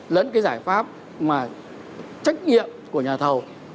lẫn cái giải pháp mà trách nhiệm của nhà thầu